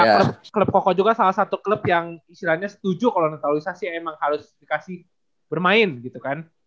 klub klub kokoh juga salah satu klub yang istilahnya setuju kalo naturalisasi emang harus dikasih bermain gitu kan